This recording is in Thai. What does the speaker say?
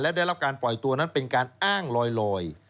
ได้รับการปล่อยตัวนั้นเป็นการอ้างลอย